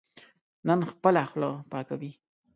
نن خپله خوله پاکوي.